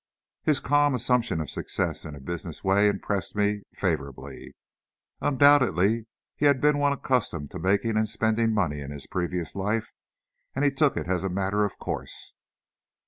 His calm assumption of success in a business way impressed me favorably. Undoubtedly, he had been one accustomed to making and spending money in his previous life, and he took it as a matter of course.